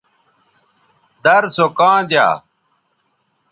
در سو کاں دیا